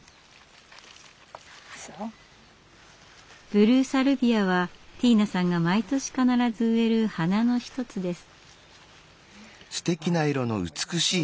ブルーサルビアはティーナさんが毎年必ず植える花の一つです。